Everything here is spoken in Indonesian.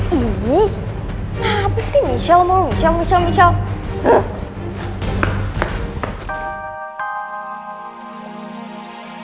kalau sampe lo bikin masalah lagi sama michelle